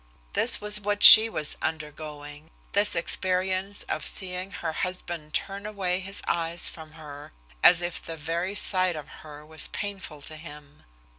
This was what she was undergoing, this experience of seeing her husband turn away his eyes from her, as if the very sight of her was painful to him.